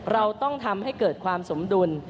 เราต้องทำให้เกิดความสมดุล